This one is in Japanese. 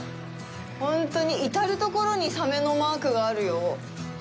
本当に、至るところにサメのマークがあるよ。